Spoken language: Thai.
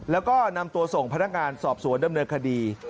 แล้วก็นำตัวส่งพนักงานสอบสวนดำเนินคดี